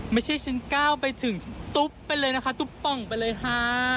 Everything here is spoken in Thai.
ไม่ใช่ฉันก้าวไปถึงตุ๊บไปเลยนะคะตุ๊บป่องไปเลยค่ะ